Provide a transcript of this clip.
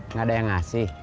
nggak ada yang ngasih